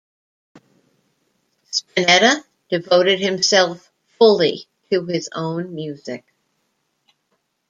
Spinetta devoted himself fully to his own music.